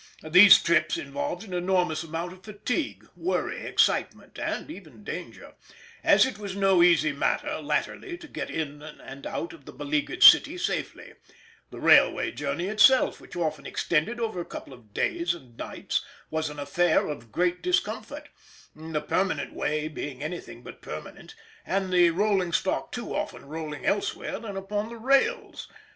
These trips involved an enormous amount of fatigue, worry, excitement, and even danger, as it was no easy matter latterly to get in and out of the beleaguered city safely; the railway journey itself, which often extended over a couple of days and nights, was an affair of great discomfort, the permanent way being anything but permanent, and the rolling stock too often rolling elsewhere than upon the rails.